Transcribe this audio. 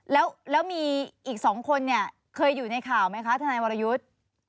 แล้วมีอีก๒คนเนี่ยเคยอยู่ในข่าวไหมคะทนายวรยุทธ์